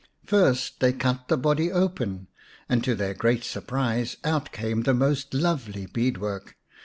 First they cut the body open, and to their great surprise out came the most lovely bead work.